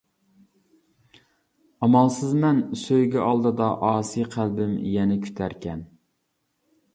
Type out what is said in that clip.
ئامالسىزمەن سۆيگۈ ئالدىدا ئاسىي قەلبىم يەنە كۈتەركەن.